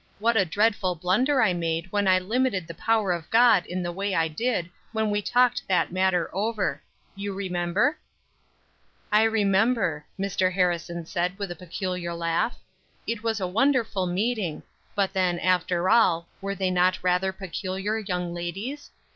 What a dreadful blunder I made when I limited the power of God in the way I did when we talked that matter over! you remember?" "I remember," Mr. Harrison said with a peculiar laugh; "It was a wonderful meeting, but then, after all, were they not rather peculiar young ladies?